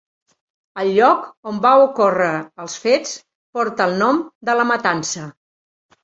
El lloc on va ocórrer els fets porta el nom de la Matança.